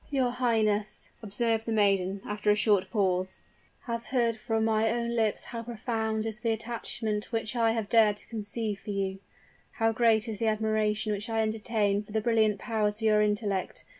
"Your highness," observed the maiden, after a short pause, "has heard from my own lips how profound is the attachment which I have dared to conceive for you how great is the admiration which I entertain for the brilliant powers of your intellect.